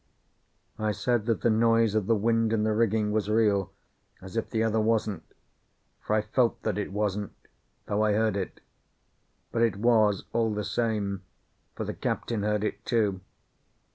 I said that the noise of the wind in the rigging was real, as if the other wasn't, for I felt that it wasn't, though I heard it. But it was, all the same; for the captain heard it, too.